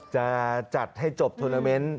จะจัดให้จบทวนาเมนต์